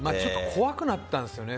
怖くなったんですよね。